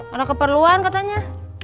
ada keperluan katanya